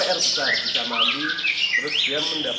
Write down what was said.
itu kan pr besar bisa mandi